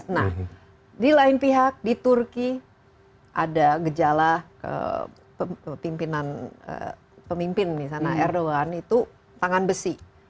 nah di lain pihak di turki ada gejala pemimpin di sana erdogan itu tangan besi